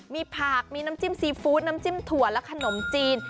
มีผักมีน้ำจิ้มซีฟู้ดน้ำจิ้มถั่วและขนมจีน